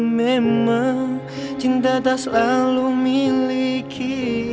memang cinta tak selalu miliki